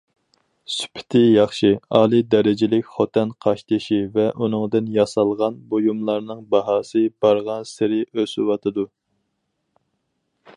سۈپىتى ياخشى ئالىي دەرىجىلىك خوتەن قاشتېشى ۋە ئۇنىڭدىن ياسالغان بۇيۇملارنىڭ باھاسى بارغانسېرى ئۆسۈۋاتىدۇ.